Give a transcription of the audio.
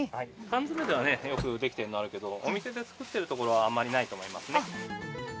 缶詰ではよく出来てるのあるけれど、お店で作っているところはあんまりないと思いますね。